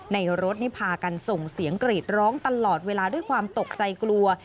ในรถนี่พากันส่งเสียงกรีดร้องตลอดเวลาด้วยความตกใจกลัว